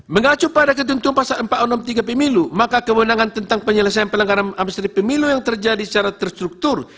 mengacu pada ketentuan pasal empat ratus enam puluh tiga pemilu maka kewenangan tentang penyelesaian pelanggaran administrasi pemilu yang terjadi secara terstruktur